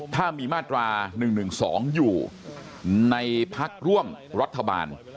ถ้ามีมาตรา๑๑๒อยู่ในพักร่วมรัฐบาล